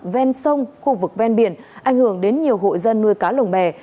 ven sông khu vực ven biển ảnh hưởng đến nhiều hộ dân nuôi cá lồng bè